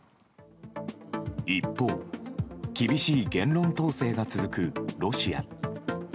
一方、厳しい言論統制が続くロシア。